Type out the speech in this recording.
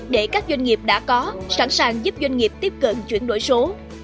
để các doanh nghiệp đã có sẵn sàng giúp doanh nghiệp tiếp cận chuyển đổi số